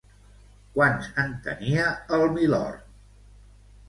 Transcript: Quants en tenia el Milord?